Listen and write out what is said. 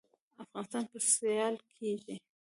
افغانستان به سیال کیږي